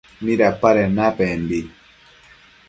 ¿Midapaden napembi?